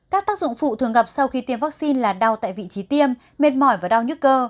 các tác dụng phụ thường gặp sau khi tiêm vaccine là đau tại vị trí tiêm mệt mỏi và đau nhức cơ